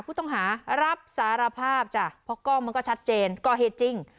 ผู้ต้องหารับสารภาพจ้ะเพราะกล้องมันก็ชัดเจนก่อเหตุจริง